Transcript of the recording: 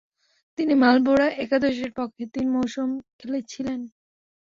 তিনি মার্লবোরা একাদশের পক্ষে তিন মৌসুম খেলেছিলেন।